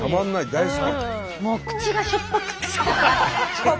大好き。